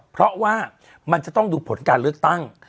เพราะว่ามันจะต้องดูผลการเลือกตั้ง